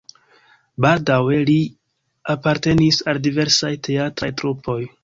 Baldaŭe li apartenis al diversaj teatraj trupoj.